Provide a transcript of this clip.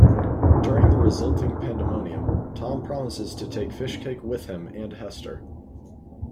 During the resulting pandemonium, Tom promises to take Fishcake with him and Hester.